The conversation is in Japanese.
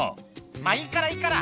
「まぁいいからいいから」